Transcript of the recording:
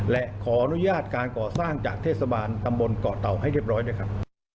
และขออนุญาตการก่อสร้างจากเทศบาลตำบลเกาะเต่าให้เรียบร้อยด้วยครับ